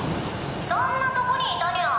そんなとこにいたニャ。